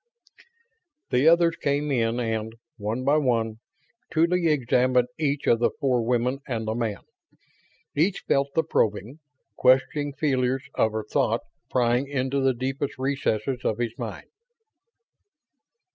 The others came in and, one by one, Tuly examined each of the four women and the man. Each felt the probing, questioning feelers of her thought prying into the deepest recesses of his mind.